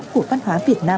của văn hóa việt nam